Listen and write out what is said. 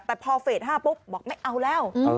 แต่พอเฟส๕ปุ๊บบอกไม่เอาแล้ว